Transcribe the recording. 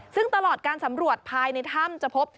ซึ่งตลอดการสำรวจภายในถ้ำจะพบ